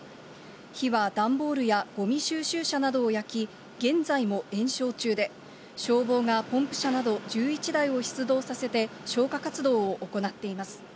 火は段ボールやごみ収集車などを焼き、現在も延焼中で、消防がポンプ車など１１台を出動させて、消火活動を行っています。